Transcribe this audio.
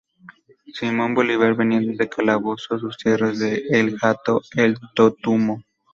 Simón Bolívar, venía desde Calabozo a sus tierras de El Hato el Totumo.